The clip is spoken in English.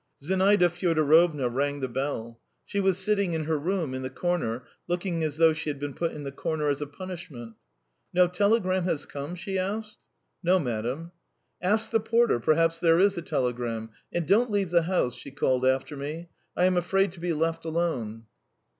Zinaida Fyodorovna rang the bell. She was sitting in her room, in the corner, looking as though she had been put in the corner as a punishment. "No telegram has come?" she asked. "No, madam." "Ask the porter; perhaps there is a telegram. And don't leave the house," she called after me. "I am afraid to be left alone."